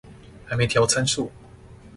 還沒調參數